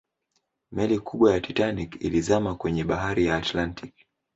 Meli kubwa ya Titanic ilizama kwenye bahari ya Atlantic